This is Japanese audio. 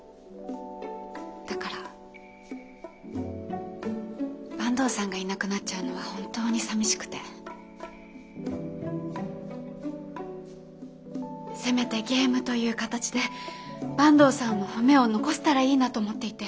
だから坂東さんがいなくなっちゃうのは本当にさみしくてせめてゲームという形で坂東さんの褒めを残せたらいいなと思っていて。